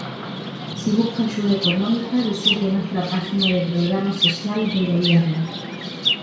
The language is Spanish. Si busca ayuda económica, visite nuestra página de Programas sociales del Gobierno.